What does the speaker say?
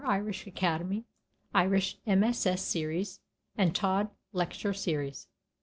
Irish Academy (Irish MSS. Series and Todd Lecture Series).